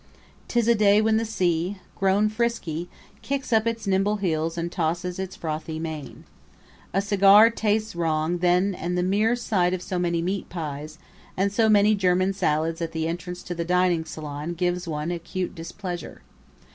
'Tis a day when the sea, grown frisky, kicks up its nimble heels and tosses its frothy mane. A cigar tastes wrong then and the mere sight of so many meat pies and so many German salads at the entrance to the dining salon gives one acute displeasure.